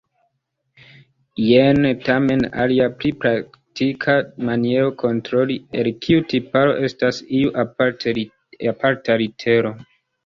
Jen tamen alia, pli praktika, maniero kontroli, el kiu tiparo estas iu aparta litero.